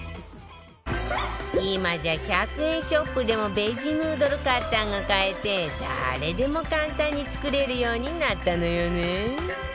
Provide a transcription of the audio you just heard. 今じゃ１００円ショップでもベジヌードルカッターが買えて誰でも簡単に作れるようになったのよね